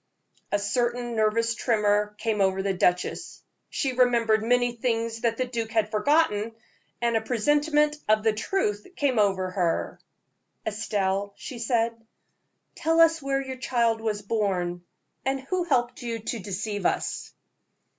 A certain nervous tremor came over the duchess. She remembered many things that the duke had forgotten, and a presentiment of the truth came over her. "Estelle," she said, "tell us where your child was born, and who helped you to deceive us?"